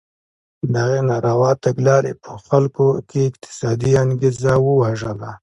دغې ناروا تګلارې په خلکو کې اقتصادي انګېزه ووژله.